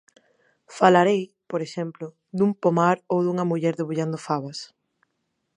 Falarei, por exemplo, dun pomar ou dunha muller debullando fabas.